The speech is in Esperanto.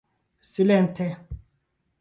Silente!